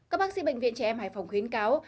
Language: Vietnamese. các bác sĩ bệnh viện trẻ em hải phòng khuyến cáo